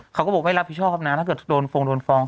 เขาก็บอกไม่รับผิดชอบนะถ้าเกิดโดนฟงโดนฟ้อง